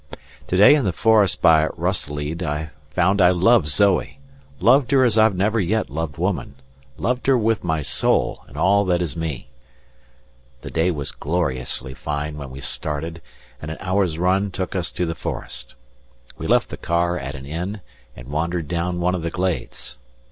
To day in the forest by Ruysslede I found that I loved Zoe, loved her as I have never yet loved woman, loved her with my soul and all that is me. The day was gloriously fine when we started, and an hour's run took us to the forest. We left the car at an inn and wandered down one of the glades.